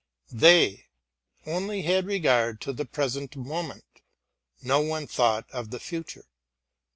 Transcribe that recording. They only had regard to the present moment; no one thought of the future.